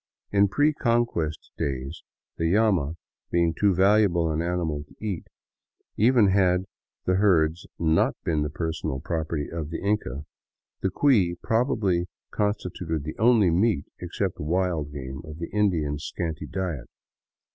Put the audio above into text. In pre Conquest days — the llama being too valuable an animal to eat, even had the herds not been the personal property of the Inca — the cui probably constituted the only meat, except wild game, of the Indian's scanty diet.